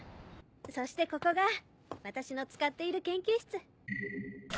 そしてここが私の使っている研究室。